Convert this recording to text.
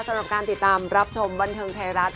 สำหรับการติดตามรับชมบันเทิงไทยรัฐ